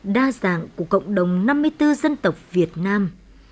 đa dạng của cộng đồng năm mươi bốn dân tộc việt nam